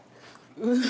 うん！